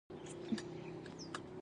خدایه دا بازار تالا کړې په مغلو.